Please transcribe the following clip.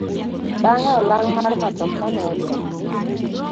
Bang'e olang' mar matoka ne oyuak.